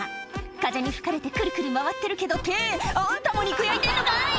風に吹かれてくるくる回ってるけど、って、あんたも肉焼いてんのかい！